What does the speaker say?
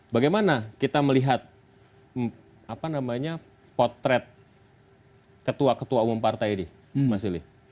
bagaimana kita melihat apa namanya potret ketua ketua umum partai ini mas ili